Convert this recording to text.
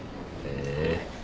へえ。